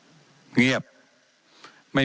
ว่าการกระทรวงบาทไทยนะครับ